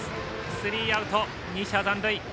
スリーアウト、２者残塁。